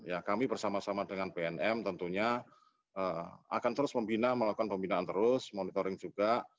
ya kami bersama sama dengan bnm tentunya akan terus membina melakukan pembinaan terus monitoring juga